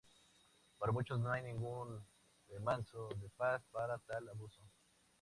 Para muchos, no hay ningún remanso de paz para tal abuso.